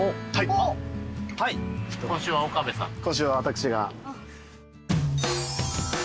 今週は私が。